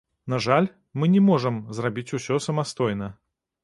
На жаль, мы не можам зрабіць усё самастойна.